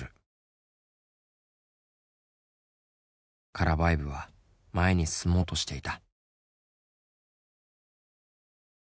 カラヴァエヴは前に進もうとしていた。